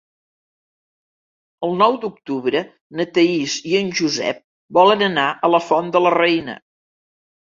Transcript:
El nou d'octubre na Thaís i en Josep volen anar a la Font de la Reina.